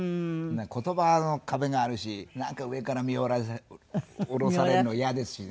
言葉の壁があるしなんか上から見下ろされるのイヤですしね